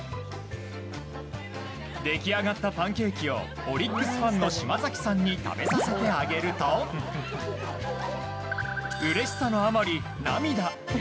出来上がったパンケーキをオリックスファンの嶋崎さんに食べさせてあげるとうれしさのあまり、涙。